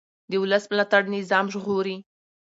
د ولس ملاتړ نظام ژغوري